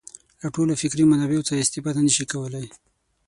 له ټولو فکري منابعو څخه استفاده نه شي کولای.